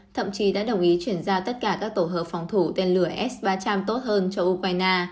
thậm chí đã đồng ý chuyển ra tất cả các tổ hợp phòng thủ tên lửa s ba trăm linh tốt hơn cho ukraine